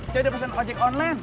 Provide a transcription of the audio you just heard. saya udah pesan ojek online